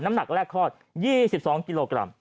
หนักแรกคลอด๒๒กิโลกรัม